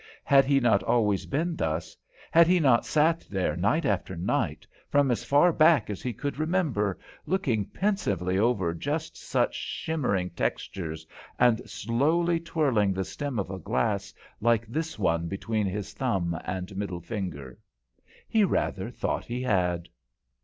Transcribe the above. Had he not always been thus, had he not sat here night after night, from as far back as he could remember, looking pensively over just such shimmering textures, and slowly twirling the stem of a glass like this one between his thumb and middle finger? He rather thought he had.